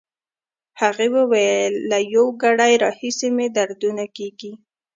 هغې وویل: له یو ګړی راهیسې مې دردونه کېږي.